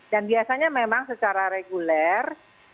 dan biasanya memang secara reguler